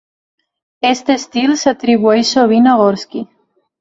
Aquest estil s'atribueix sovint a Gorsky.